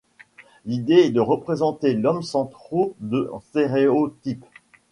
L’idée est de représenter l’homme sans trop de stéréotype.